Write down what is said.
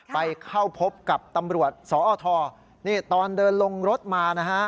ไปเข้าพบกับตำรวจสอทนี่ตอนเดินลงรถมานะฮะ